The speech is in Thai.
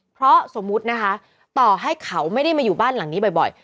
เพราะสมมุตินะคะต่อให้เขาไม่ได้มาอยู่บ้านหลังนี้บ่อย